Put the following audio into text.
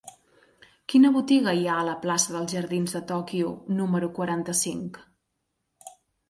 Quina botiga hi ha a la plaça dels Jardins de Tòquio número quaranta-cinc?